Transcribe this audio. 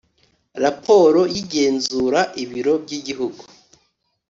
raporo y igenzura ibiro by Igihugu